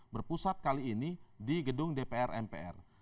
berpusat kali ini di gedung dpr mpr